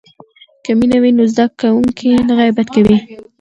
که مینه وي نو زده کوونکی نه غیبت کوي.